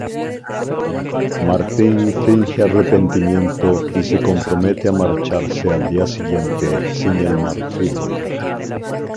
Martin finge arrepentimiento y se compromete a marcharse al día siguiente sin el marfil.